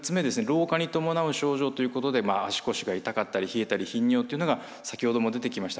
老化に伴う症状ということで足腰が痛かったり冷えたり頻尿というのが先ほども出てきました